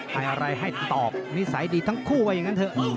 ให้อะไรให้ตอบนิสัยดีทั้งคู่ว่าอย่างนั้นเถอะ